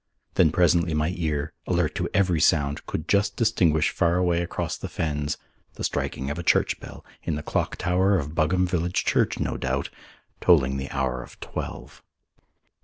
Then presently my ear, alert to every sound, could just distinguish far away across the fens the striking of a church bell, in the clock tower of Buggam village church, no doubt, tolling the hour of twelve.